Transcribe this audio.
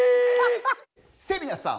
セリナさん。